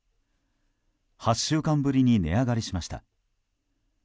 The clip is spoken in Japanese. ８週間ぶりに値上がりしました。